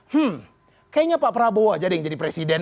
hmm kayaknya pak prabowo aja deh yang jadi presiden